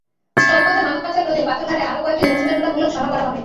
স্থলপথে মানব পাচার রোধে পাথরঘাটায় আরও কয়েকটি জনসচেতনতামূলক সভা করা হবে।